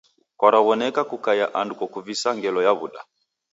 Kwaraw'oneka kukaia andu kokuvisa ngelo ya w'uda.